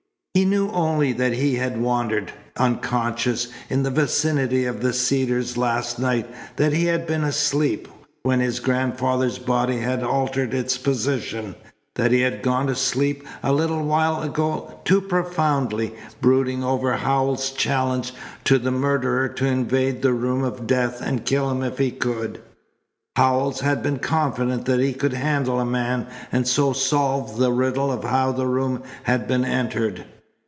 He knew only that he had wandered, unconscious, in the vicinity of the Cedars last night; that he had been asleep when his grandfather's body had altered its position; that he had gone to sleep a little while ago too profoundly, brooding over Howells's challenge to the murderer to invade the room of death and kill him if he could. Howells had been confident that he could handle a man and so solve the riddle of how the room had been entered.